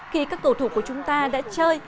khi các cầu thủ của chúng ta đã chơi